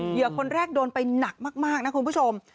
เหยืคนแรกโดนไปหนักมากนะคุณผู้ชม